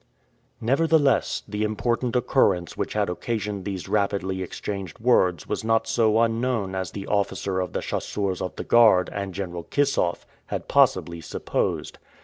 Nevertheless, the important occurrence which had occasioned these rapidly exchanged words was not so unknown as the officer of the chasseurs of the guard and General Kissoff had possibly supposed.